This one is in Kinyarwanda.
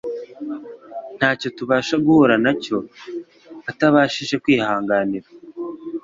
Nta cyo tubasha guhura na cyo atabashije kwihanganira